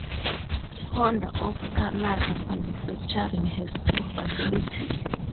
Honda of Canada Manufacturing has two facilities.